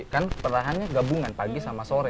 kan perlahannya gabungan pagi sama sore